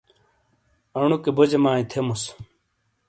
انوکے بوجیمائی تھیموس۔